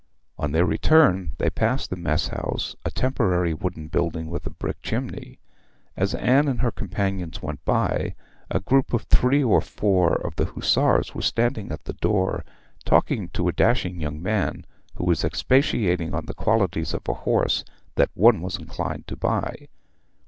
On their return they passed the mess house, a temporary wooden building with a brick chimney. As Anne and her companions went by, a group of three or four of the hussars were standing at the door talking to a dashing young man, who was expatiating on the qualities of a horse that one was inclined to buy.